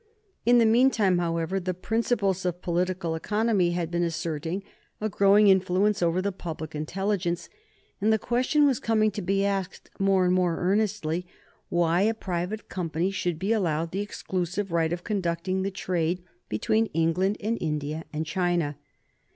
In the mean time, however, the principles of political economy had been asserting a growing influence over the public intelligence, and the question was coming to be asked, more and more earnestly, why a private company should be allowed the exclusive right of conducting the trade between England and India and China.